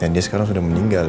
dan dia sekarang sudah meninggal